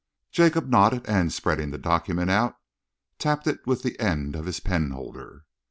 Jacob nodded, and, spreading the document out, tapped it with the end of his penholder.